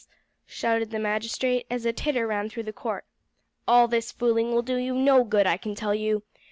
shouted the magistrate as a titter ran through the court. "All this fooling will do you no good, I can tell you.